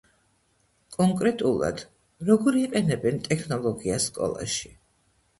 კონკრეტულად, როგორ იყენებენ ტექნოლოგიას სკოლაში.